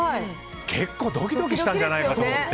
結構、ドキドキしたんじゃないかなと思って。